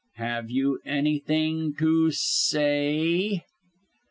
Have you anything to say?"